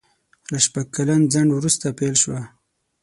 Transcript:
له شپږ کلن ځنډ وروسته پېل شوه.